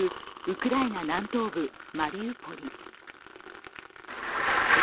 ウクライナ南東部、マリウポリ。